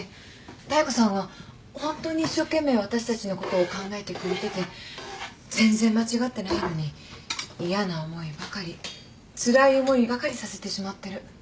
妙子さんはホントに一生懸命私たちのことを考えてくれてて全然間違ってないのに嫌な思いばかりつらい思いばかりさせてしまってる。